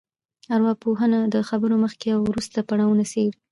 ارواپوهنه د خبرو مخکې او وروسته پړاوونه څېړي